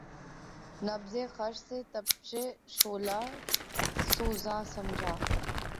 نبضِ خس سے تپشِ شعلہٴ سوزاں سمجھا